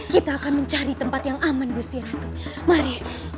kita akan mencari tempat yang aman gusti ratu mari